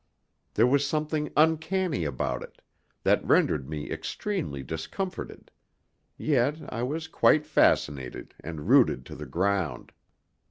There was something uncanny about it, that rendered me extremely discomforted; yet I was quite fascinated, and rooted to the ground.